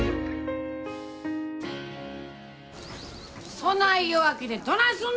・そない弱気でどないすんの！